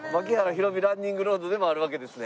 寛己ランニングロードでもあるわけですね。